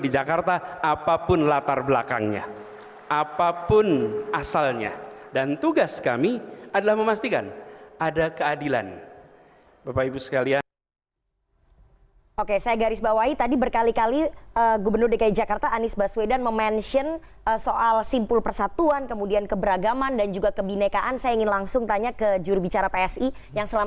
jangankan untuk maju ke level